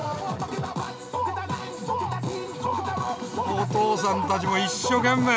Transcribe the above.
おとうさんたちも一生懸命。